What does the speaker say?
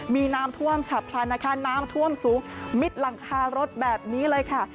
มีน้ำท่วมฉับพลันนะคะน้ำท่วมสูงมิดหลังคารถแบบนี้เลยค่ะ